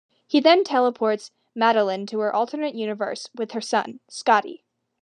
He then teleports Maydelyne to her alternate universe with her son, Scotty.